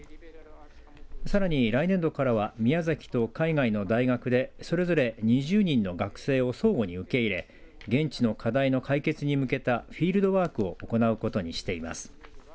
さらに来年度からは宮崎と海外の大学でそれぞれ２０人の学生を相互に受け入れ現地の課題の解決に向けたフィールドワークを行うことにしています。